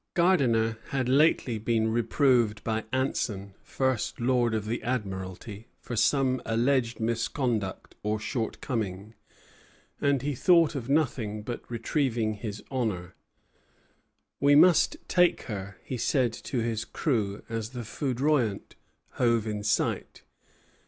Gardiner had lately been reproved by Anson, First Lord of the Admiralty, for some alleged misconduct or shortcoming, and he thought of nothing but retrieving his honor. "We must take her," he said to his crew as the "Foudroyant" hove in sight.